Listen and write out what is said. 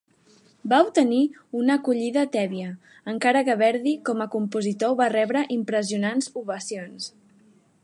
Va obtenir una acollida tèbia, encara que Verdi, com a compositor, va rebre impressionants ovacions.